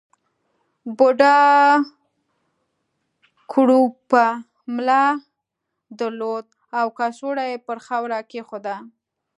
بوډا کړوپه ملا درلوده او کڅوړه یې پر خاورو کېښوده.